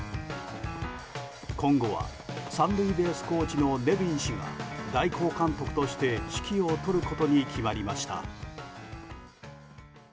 今後は３塁ベースコーチのネビン氏が代行監督として指揮を執ることに決まりました。